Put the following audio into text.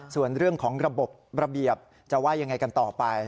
ส่วนเรื่องของระบบระเบียบจะว่ายังไงกันต่อไป